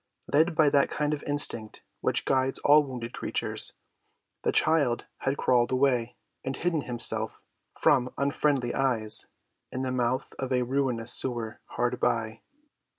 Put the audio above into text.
Led by that kind instinct which guides all wounded creatures, the child had crawled away and hidden himself from unfriendly eyes in the mouth of a ruinous sewer hard by.